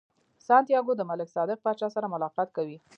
سانتیاګو د ملک صادق پاچا سره ملاقات کوي.